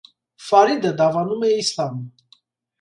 Ֆարիդը դավանում է իսլամ։